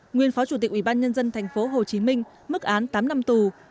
nguyên phó chủ tịch ủy ban nhân dân tp hcm mức án tám năm tù